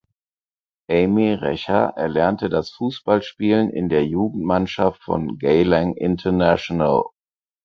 Amy Recha erlernte das Fußballspielen in der Jugendmannschaft von Geylang International.